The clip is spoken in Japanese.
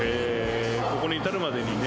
ここにいたるまでにね